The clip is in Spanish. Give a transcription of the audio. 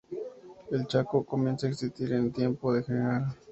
El Chaco, comienza a existir en tiempo del Gral.